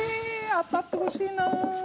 当たってほしいな。